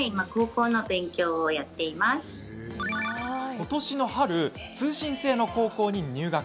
ことしの春通信制の高校に入学。